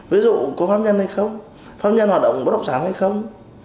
ví dụ có pháp nhân hay không pháp nhân hoạt động bất động sản hay không